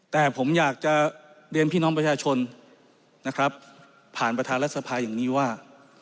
แต่ผมอยากจะเรียนพี่น้องประชาชนนะครับผ่านประธานรัฐสภาอย่างนี้ว่า